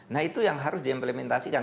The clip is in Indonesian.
nah itu yang harus diimplementasikan